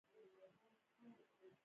د انتظار حالت په لاندې صورتونو کې پیښیږي.